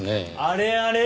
あれあれ？